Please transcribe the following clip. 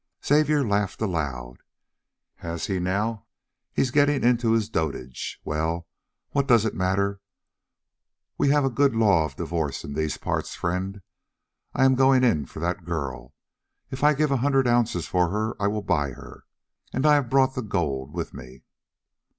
Xavier laughed aloud, "Has he now? He is getting into his dotage. Well, what does it matter? We have a good law of divorce in these parts, friend. I am going in for that girl; if I give a hundred ounces for her I will buy her, and I have brought the gold with me."